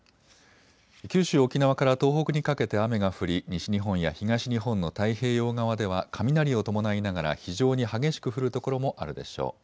九州・沖縄から東北にかけて雨が降り西日本や東日本の太平洋側では雷を伴いながら非常に激しく降る所もあるでしょう。